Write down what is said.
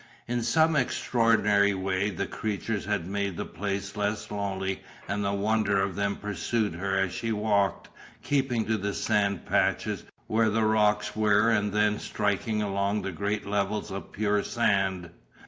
In some extraordinary way the creatures had made the place less lonely and the wonder of them pursued her as she walked, keeping to the sand patches where the rocks were and then striking along the great levels of pure sand.